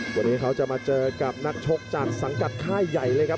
วันนี้เขาจะมาเจอกับนักชกจากสังกัดค่ายใหญ่เลยครับ